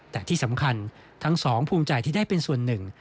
แต่ที่สำคัญทั้งสองภูมิใจที่ได้เป็นส่วนหนึ่ง